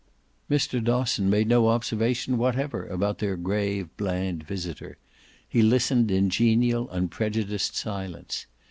Mr. Dosson made no observation whatever about their grave bland visitor; he listened in genial unprejudiced silence.